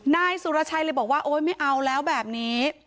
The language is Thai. นายสุรชัยเลยบอกว่าโอ๊ยไม่เอาแล้วแบบนี้